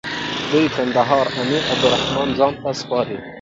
دوی کندهار امير عبدالرحمن خان ته سپاري.